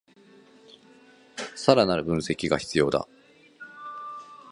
さらなる分析が必要だ